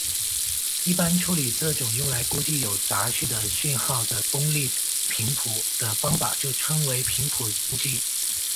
一般处理这种用来估计有杂讯的讯号的功率频谱的方法就称为频谱估计。